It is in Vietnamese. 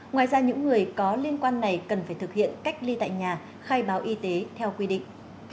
ngoài ra những người có liên quan này cần phải thực hiện cách ly tại nhà khai báo y tế theo quy định